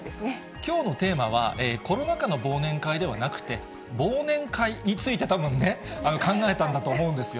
きょうのテーマは、コロナ禍の忘年会ではなくて、忘年会について、たぶんね、考えたんだと思うんですよ。